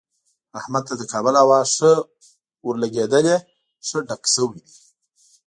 احمد ته د کابل هوا ښه ورلګېدلې، ښه ډک شوی دی.